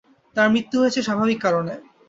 তাঁর মৃত্যু হয়েছে স্বাভাবিক কারণে।